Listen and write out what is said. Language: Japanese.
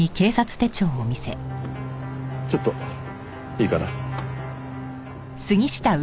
ちょっといいかな？